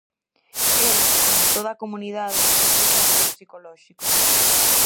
El, como toda a comunidade, precisa apoio psicolóxico.